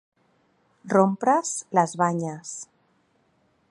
Rompre's les banyes.